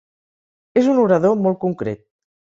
És un orador molt concret.